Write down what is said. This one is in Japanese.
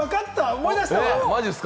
思い出した。